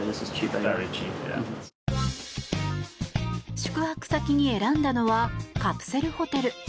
宿泊先に選んだのはカプセルホテル。